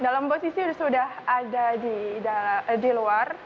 dalam posisi sudah ada di luar